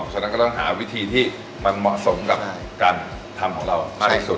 ฉะนั้นก็ต้องหาวิธีที่มันเหมาะสมกับการทำของเรามากที่สุด